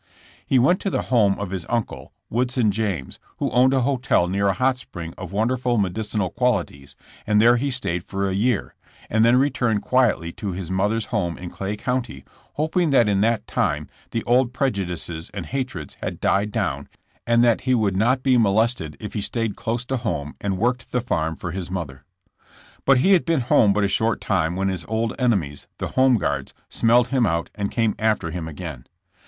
He went to the home of his uncle, Woodson James, who owned a hotel near a hot spring of wonderful medicinal qualities and there he stayed for a year, and then returned quietly to his mother's home in Clay County, hoping that in that time the old prejudices and hatreds had died down and that he would not be molested if he stayed close to home and worked the farm for his mother. But he had been home but a short time when his old enemies, the Home Guards, smelled him out and came after him again.